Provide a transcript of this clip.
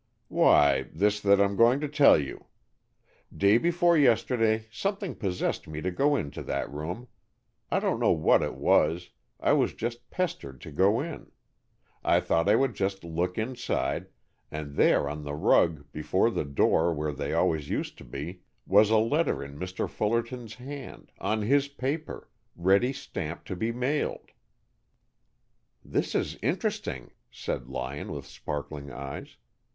"Why, this that I'm going to tell you. Day before yesterday something possessed me to go in to that room. I don't know what it was, I just was pestered to go in. I thought I would just look inside, and there, on the rug before the door where they always used to be, was a letter in Mr. Fullerton's hand, on his paper, ready stamped to be mailed." "This is interesting," said Lyon, with sparkling eyes.